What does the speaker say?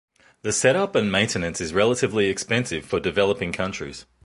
The setup and maintenance is relatively expensive for developing countries.